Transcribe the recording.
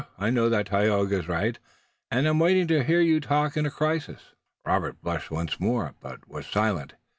I know that Tayoga is right, and I'm waiting to hear you talk in a crisis." Robert blushed once more, but was silent.